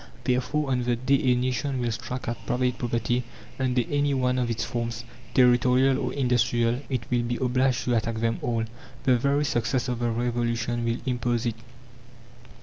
Therefore, on the day a nation will strike at private property, under any one of its forms, territorial or industrial, it will be obliged to attack them all. The very success of the Revolution will impose it.